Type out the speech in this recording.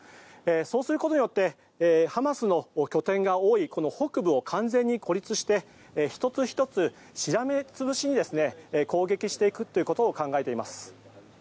そうすることによってハマスの拠点が多い北部を完全に孤立して１つ１つしらみつぶしに攻撃していくということを考えています。